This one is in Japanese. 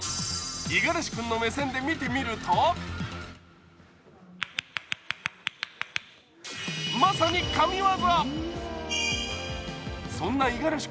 五十嵐君の目線で見てみるとまさに神技。